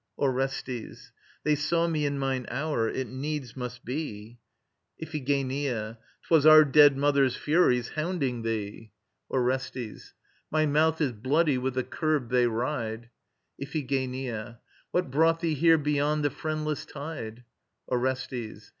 ORESTES. They saw me in mine hour. It needs must be. IPHIGENIA. 'Twas our dead mother's Furies hounding thee! ORESTES. My mouth is bloody with the curb they ride. IPHIGENIA. What brought thee here beyond the Friendless Tide? ORESTES.